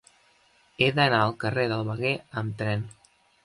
He d'anar al carrer del Veguer amb tren.